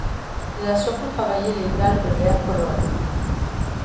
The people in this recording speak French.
Il a surtout travaillé les dalles de verre colorées.